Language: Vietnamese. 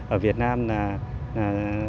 ở việt nam là một công việc